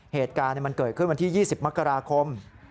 เหตุการณ์มันเกิดขึ้นวันที่๒๐มกราคม